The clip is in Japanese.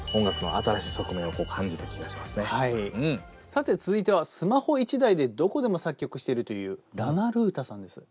さて続いてはスマホ１台でどこでも作曲しているというラナルータさんです。